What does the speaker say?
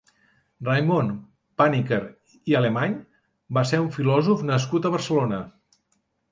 Raimon Panikkar i Alemany va ser un filòsof nascut a Barcelona.